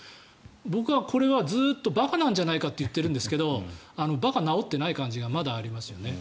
僕はこれはずっと馬鹿なんじゃないかと言ってるんですが馬鹿、治ってない感じがまだありますよね。